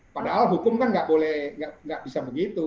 padahal hukum kan tidak boleh tidak bisa begitu